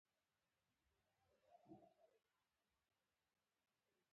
ان که محض زراعت هم وي.